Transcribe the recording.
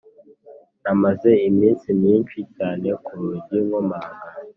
Namaze iminsi myinshi cyane kurugi nkomanga